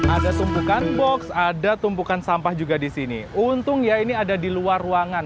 ada tumpukan box ada tumpukan sampah juga di sini untung ya ini ada di luar ruangan